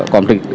konflik apa ya